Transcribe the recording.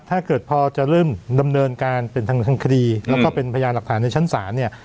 ถ้าเกิดพอจะเริ่มดำเนินการเป็นทางคดีแล้วก็เป็นพยานหลักฐานในชั้นศาลเนี่ย